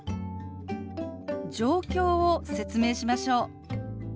状況を説明しましょう。